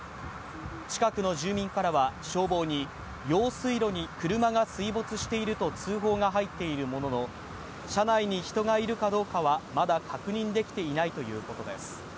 近くの住民からは消防に用水路に車が水没していると通報が入っているものの、車内に人がいるかどうかはまだ確認できていないということです。